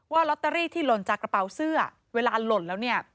ลอตเตอรี่ที่หล่นจากกระเป๋าเสื้อเวลาหล่นแล้วเนี่ย